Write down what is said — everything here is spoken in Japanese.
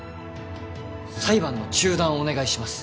裁判の中断をお願いします。